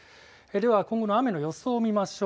では今後の雨の予想を見ましょう。